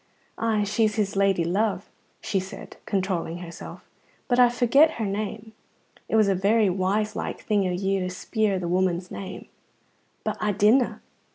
"Ay, she's his lady love," she said, controlling herself, "but I forget her name. It was a very wise like thing o' you to speir the woman's name." "But I didna."